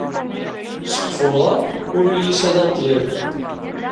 Seg Fuṛaṛ ur yulis ad aɣ-d-yaru.